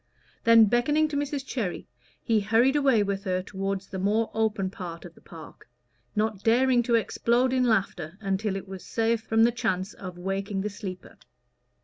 Then, beckoning to Mrs Cherry, he hurried away with her toward the more open part of the park, not daring to explode in laughter until it was safe from the chance of waking the sleeper.